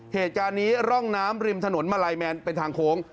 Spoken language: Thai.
เหตุการณ์นี้ร่องน้ำริมถนนมาลัยแมนเป็นทางโค้ง